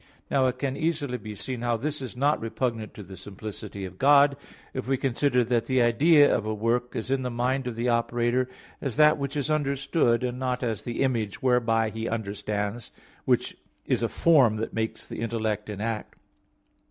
Now it can easily be seen how this is not repugnant to the simplicity of God, if we consider that the idea of a work is in the mind of the operator as that which is understood, and not as the image whereby he understands, which is a form that makes the intellect in act.